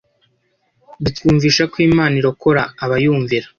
Bitwumvisha ko Imana irokora abayumvira